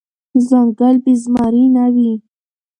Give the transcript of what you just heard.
ځنګل بی زمري نه وي .